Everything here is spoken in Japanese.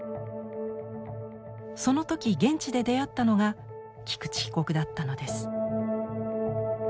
その時現地で出会ったのが菊池被告だったのです。